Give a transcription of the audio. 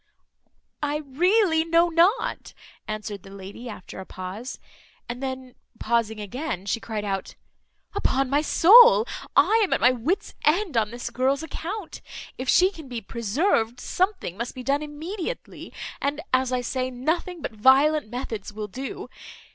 "I really know not," answered the lady, after a pause; and then pausing again, she cried out "Upon my soul, I am at my wit's end on this girl's account. If she can be preserved, something must be done immediately; and, as I say, nothing but violent methods will do.